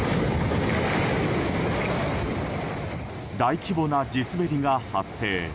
大規模な地滑りが発生。